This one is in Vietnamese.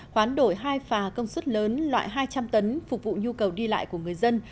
hoán đổi hai phà công suất lớn loại hai trăm linh tấn phục vụ nhu cầu đi lại của người dân